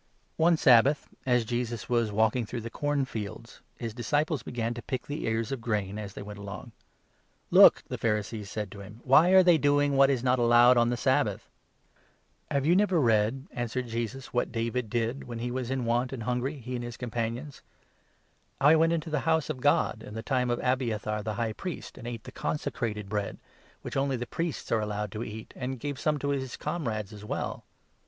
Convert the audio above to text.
One Sabbath, as Jesus was walking through the corn 23 fields, his disciples began to pick the ears of wheat as they went along. " Look !" the Pharisees said to him, " why are they doing 24 what is not allowed on the Sabbath ?"" Have you never read," answered Jesus, " what David did 25 when he was in want and hungry, he and his companions — how he went into the House of God, in the time of Abiathar 26 the High Priest, and ate 'the consecrated bread,' which only the priests are allowed to eat, and gave some to his comrades as well